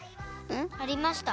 ん？ありました。